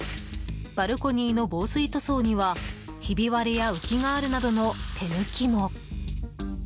バルコニーの防水塗装にはひび割れや浮きがあるなどの手抜きも。